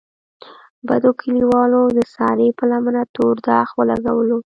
بدو کلیوالو د سارې په لمنه تور داغ ولګولو.